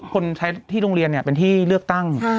คนใช้ที่โรงเรียนเป็นที่เลือกตั้ง